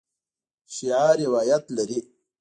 شیعه روایت لري.